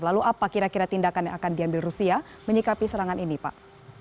lalu apa kira kira tindakan yang akan diambil rusia menyikapi serangan ini pak